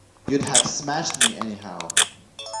You'd have smashed me anyhow.